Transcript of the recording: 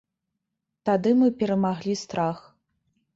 Тады мы перамаглі страх.